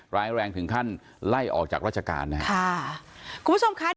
ร้ายแรงถึงขั้นไล่ออกจากราชการนะฮะค่ะคุณผู้ชมค่ะ